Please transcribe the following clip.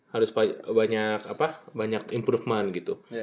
harus banyak improvement gitu